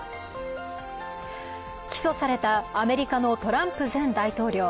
起訴されたアメリカのトランプ前大統領。